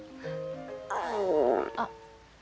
あっ。